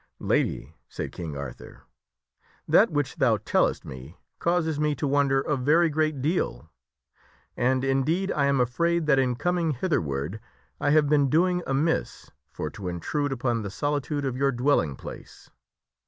" Lady," said King Arthur, " that which thou tellest me causes me to wonder a very great deal. And, indeed, I am afraid that in coming hitherward I have been doing amiss for to intrude upon the solitude of your dwelling place."